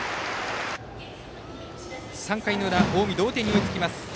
３回の裏、近江同点に追いつきます。